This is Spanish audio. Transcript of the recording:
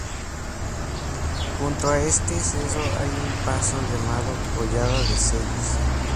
Junto a este cerro hay un paso llamado "Collada de Celles".